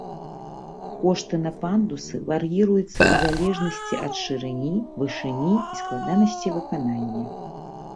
Кошты на пандусы вар'іруюцца ў залежнасці ад шырыні, вышыні і складанасці выканання.